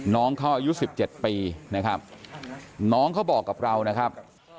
น้องเขาอายุ๑๗ปีนะครับน้องเขาบอกกับเรานะครับ